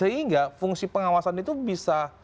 sehingga fungsi pengawasan itu bisa